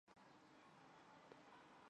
成为该国最大的学校。